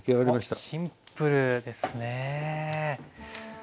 おっシンプルですね。